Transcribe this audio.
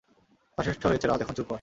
যথেষ্ট হয়েছে রাজ, এখন চুপ কর।